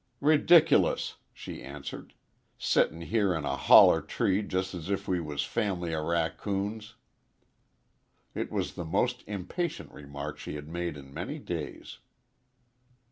"Redic'lous," she answered, "settin' here 'n a holler tree jest as if we was a fam'ly o' raccoons." It was the most impatient remark she had made in many days.